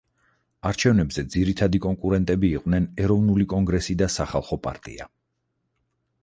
არჩევნებზე ძირითადი კონკურენტები იყვნენ ეროვნული კონგრესი და სახალხო პარტია.